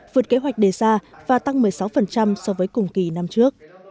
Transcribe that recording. vượt kế hoạch đề ra và tăng một mươi sáu so với cùng kỳ năm trước